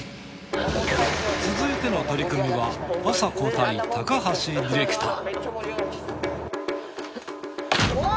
続いての取り組みはあさこ対高橋ディレクター。